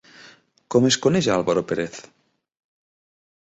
Com es coneix a Álvaro Pérez?